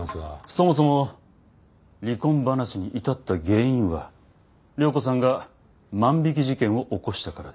そもそも離婚話に至った原因は涼子さんが万引き事件を起こしたからです。